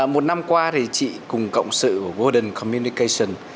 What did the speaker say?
một năm qua thì chị cùng cộng sự của golden communication